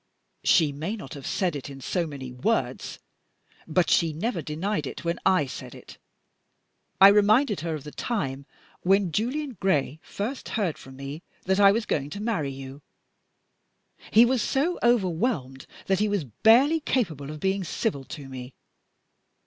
"She may not have said it in so many words; but she never denied it when I said it. I reminded her of the time when Julian Gray first heard from me that I was going to marry you: he was so overwhelmed that he was barely capable of being civil to me.